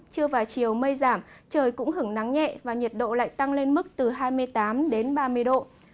trưa và chiều mây giảm trời cũng hứng nắng nhẹ và nhiệt độ lại tăng lên mức từ hai mươi tám đến ba mươi độ